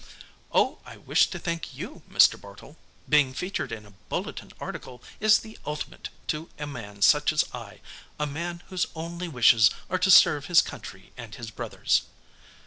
"Oh, I wish to thank you, Mr. Bartle. Being featured in a Bulletin article is the ultimate to a man such as I a man whose only wishes are to serve his country and his brothers."